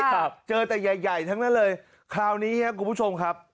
ครับเจอแต่ใหญ่ใหญ่ทั้งนั้นเลยคราวนี้ครับคุณผู้ชมครับ